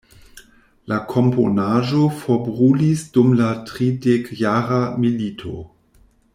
La komponaĵo forbrulis dum la Tridekjara Milito.